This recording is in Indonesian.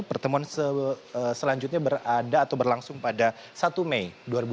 pertemuan selanjutnya berada atau berlangsung pada satu mei dua ribu dua puluh